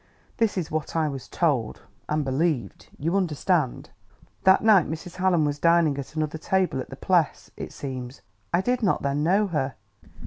This is what I was told and believed, you understand. "That night Mrs. Hallam was dining at another table at the Pless, it seems. I did not then know her.